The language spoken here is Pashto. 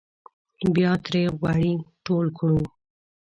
بیا ترې غوړي ټول کړو.